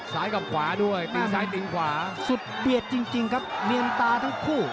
กับขวาด้วยตีนซ้ายตีนขวาสุดเบียดจริงครับเนียนตาทั้งคู่